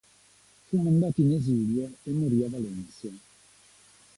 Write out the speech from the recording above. Fu mandato in esilio e morì a Valencia.